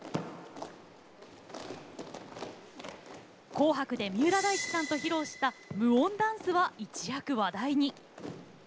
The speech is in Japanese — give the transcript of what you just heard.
「紅白」で三浦大知さんと披露した無音ダンスは一躍話題に。